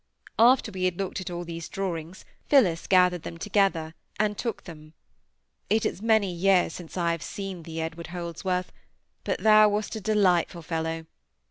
After we had all looked at these drawings, Phillis gathered them together, and took them. It is many years since I have seen thee, Edward Holdsworth, but thou wast a delightful fellow!